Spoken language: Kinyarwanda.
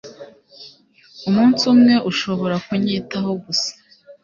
umunsi umwe ushobora kunyitaho gusa